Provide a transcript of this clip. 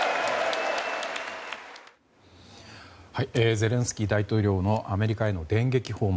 ゼレンスキー大統領のアメリカへの電撃訪問。